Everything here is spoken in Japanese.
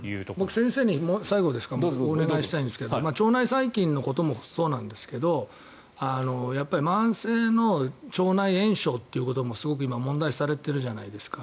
先生に最後、お願いしたいんですけど腸内細菌のこともそうですがやっぱり慢性の腸内炎症ということもすごく今、問題視されているじゃないですか。